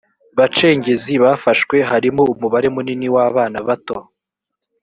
bacengezi bafashwe harimo umubare munini w abana bato